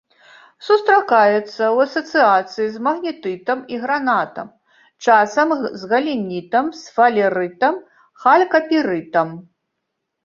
Сустракаецца ў асацыяцыі з магнетытам і гранатам, часам з галенітам, сфалерытам, халькапірытам.